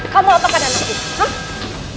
kamu apa kadang lagi